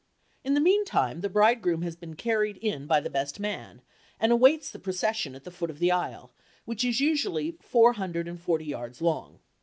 In the meantime, the bridegroom has been carried in by the best man and awaits the procession at the foot of the aisle, which is usually four hundred and forty yards long.